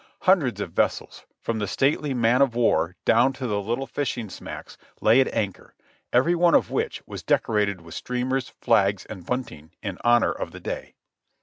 Hundreds of vessels, from the stately man of war down to the little fishing smacks, lay at anchor, every one of which was decorated with streamers, flags and bunting in honor of the day.